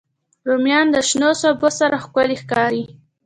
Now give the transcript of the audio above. رومیان د شنو سبو سره ښکلي ښکاري